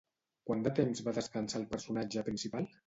Quant de temps va descansar el personatge principal?